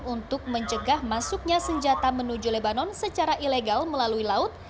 untuk mencegah masuknya senjata menuju lebanon secara ilegal melalui laut